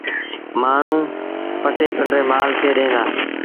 مآڻهوٚݩ پٽي پنڊري مآل کي ڏيݩ دآ۔